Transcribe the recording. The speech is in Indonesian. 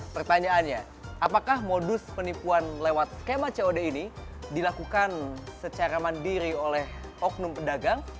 pertanyaannya apakah modus penipuan lewat skema cod ini dilakukan secara mandiri oleh oknum pedagang